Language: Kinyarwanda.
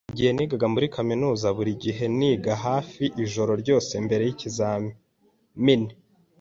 Igihe nigaga muri kaminuza, buri gihe niga hafi ijoro ryose mbere yikizamini.